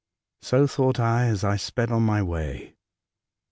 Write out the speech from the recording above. So thought I as I sped on my way.